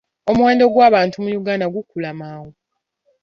Omuwendo gw'abantu mu Uganda gukula mangu.